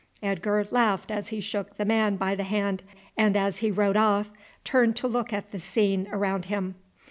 Edgar laughed as he shook the man by the hand, and as he rode off turned to look at the scene around him.